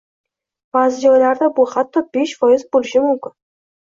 Baʼzi joylarda bu hatto besh foiz boʻlishi mumkin.